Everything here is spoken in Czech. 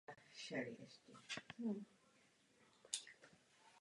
Nizozemská podnikatelská komunita patří k největším investorům na světě.